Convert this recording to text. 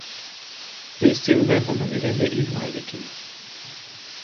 Քրիստին վեպը նվիրել է իր մայրիկին։